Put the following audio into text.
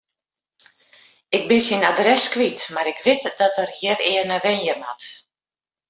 Ik bin syn adres kwyt, mar ik wit dat er hjirearne wenje moat.